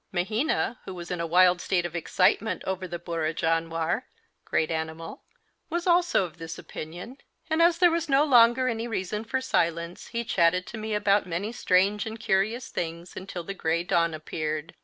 Mahina, who was in a wild state of excitement over the burra janwar (great animal), was also of this opinion, and as there was no longer any reason for silence, he chatted to me about many strange and curious things until the grey dawn appeared.